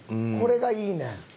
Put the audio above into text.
これがいいねん。